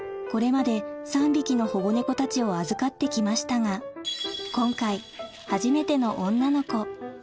これまで３匹の保護猫たちを預かって来ましたが今回初めての女の子